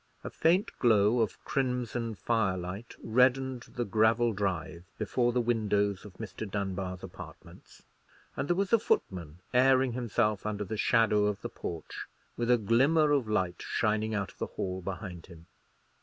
A faint glow of crimson firelight reddened the gravel drive before the windows of Mr. Dunbar's apartments, and there was a footman airing himself under the shadow of the porch, with a glimmer of light shining out of the hall behind him.